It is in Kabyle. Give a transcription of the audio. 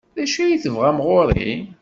D acu ay tebɣam ɣer-i?